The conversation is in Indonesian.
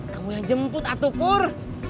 kamu yang jemput atuh pur